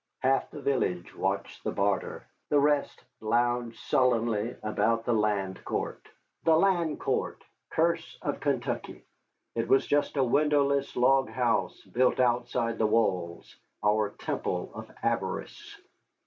Half the village watched the barter. The rest lounged sullenly about the land court. The land court curse of Kentucky! It was just a windowless log house built outside the walls, our temple of avarice.